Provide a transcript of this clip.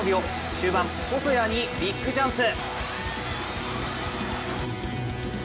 終盤、細谷にビッグチャンス。